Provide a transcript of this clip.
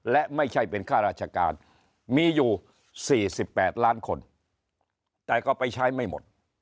และไม่ใช่เป็นค่าราชการมีอยู่๔๘ล้านคนแต่ก็ไปใช้ไม่หมด